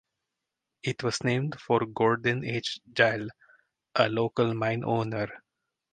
It was named for Gordon H. Gile, a local mine owner.